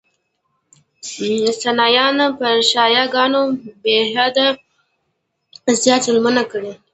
سنیانو پر شیعه ګانو بېحده زیات ظلمونه کړي.